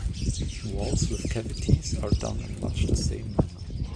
Walls with cavities are done in much the same manner.